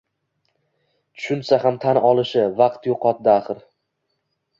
tushunsa ham tan olishi, vaqt yo‘qotdi axir.